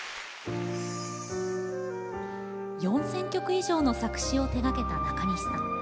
４０００曲以上の作詞を手がけた、なかにしさん。